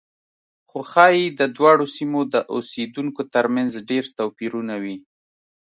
خو ښایي د دواړو سیمو د اوسېدونکو ترمنځ ډېر توپیرونه وي.